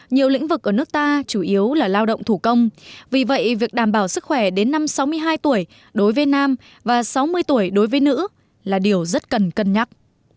nhiều lĩnh vực ở nước ta chủ yếu là lao động thủ công vì vậy việc đảm bảo sức khỏe đến năm sáu mươi hai tuổi đối với nam và sáu mươi tuổi đối với nữ là điều rất cần cân nhắc